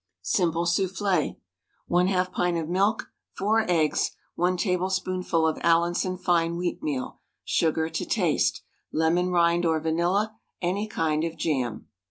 SIMPLE SOUFFLÉ. 1/2 pint of milk, 4 eggs, 1 tablespoonful of Allinson fine wheatmeal, sugar to taste, lemon rind or vanilla, any kind of jam.